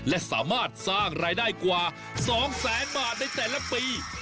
และสามารถสร้างรายได้กว่า๒แสนบาทในแต่ละปี